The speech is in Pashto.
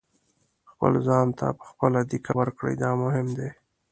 خپل ځان ته په خپله دېکه ورکړئ دا مهم دی.